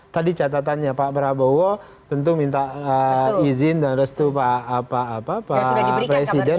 tadi catatannya pak prabowo tentu minta izin dan restu pak presiden